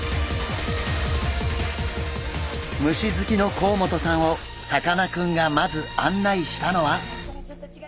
虫好きの甲本さんをさかなクンがまず案内したのは。